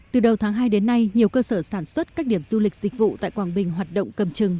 từ đầu tháng hai đến nay nhiều cơ sở sản xuất các điểm du lịch dịch vụ tại quảng bình hoạt động cầm chừng